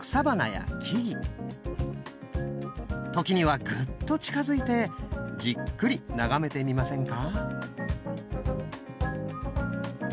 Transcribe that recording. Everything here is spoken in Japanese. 時にはグッと近づいてじっくり眺めてみませんか。